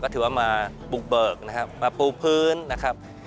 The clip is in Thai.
ถือว่ามาบุกเบิกนะครับมาปูพื้นนะครับ